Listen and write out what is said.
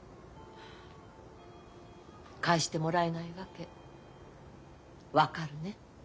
帰してもらえない訳分かるね？